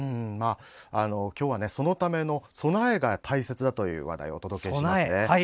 今日は、そのための備えが大切だという話題をお届けします。